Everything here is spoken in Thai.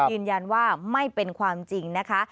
ยืนยันว่าไม่เป็นความจริงนะคะ